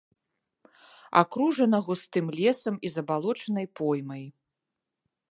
Акружана густым лесам і забалочанай поймай.